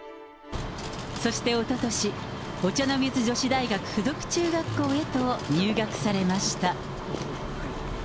そしておととし、お茶の水女子大学附属中学校へと入学されました。